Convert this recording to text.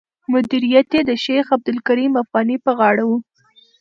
مدیریت یې د شیخ عبدالکریم افغاني پر غاړه و.